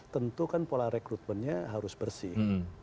tentu kan pola rekrutmennya harus bersih